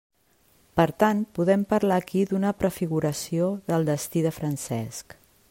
Per tant podem parlar aquí d'una prefiguració del destí de Francesc.